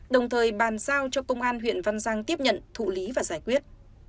đồng thời bàn giao cho công an huyện văn giang tiếp nhận thụ lý và giải quyết